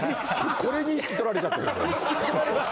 これに意識取られちゃってるんで。